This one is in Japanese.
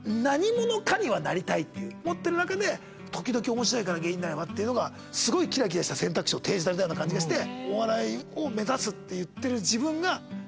思ってる中で「時々面白いから芸人になれば？」っていうのがすごいキラキラした選択肢を提示されたような感じがして。